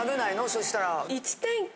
そしたら。